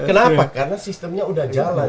kenapa karena sistemnya sudah jalan